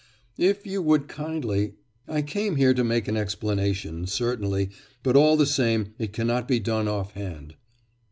'If you would kindly... I came here to make an explanation, certainly, but all the same it cannot be done off hand.